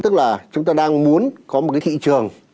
tức là chúng ta đang muốn có một cái thị trường